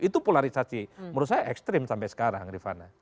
itu polarisasi menurut saya ekstrim sampai sekarang rifana